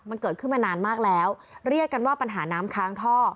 มันเกิดขึ้นมานานมากแล้วเรียกกันว่าปัญหาน้ำค้างท่อ